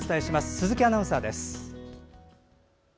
鈴木アナウンサーです。